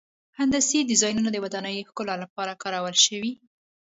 هندسي ډیزاینونه د ودانیو ښکلا لپاره کارول شوي.